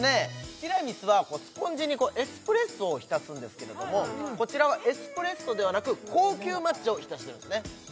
ティラミスはスポンジにエスプレッソを浸すんですけれどもこちらはエスプレッソではなく高級抹茶を浸してるんですね